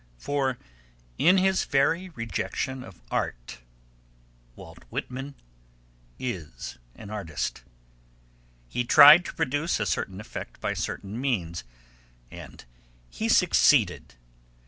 For in his very rejection of art Walt Whitman is an artist. He tried to produce a certain effect by certain means and he succeeded.